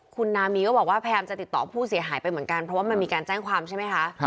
คุณนามีก็บอกว่าพยายามจะติดต่อผู้เสียหายไปเหมือนกันเพราะว่ามันมีการแจ้งความใช่ไหมคะ